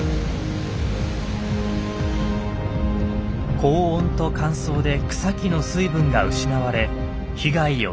高温と乾燥で草木の水分が失われ被害を深刻化させています。